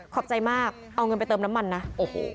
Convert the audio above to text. ขอบใจมากเอาเงินไปเติมน้ำมันนะโอ้โห